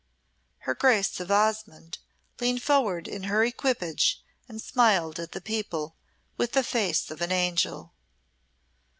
Her Grace of Osmonde leaned forward in her equipage and smiled at the people with the face of an angel.